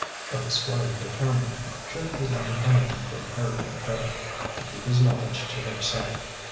But the Squire determined, should he learn anything from Harry Pentreddle, to keep his knowledge to himself.